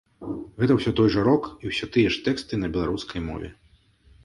Гэта ўсё той жа рок і усё тыя ж тэксты на беларускай мове.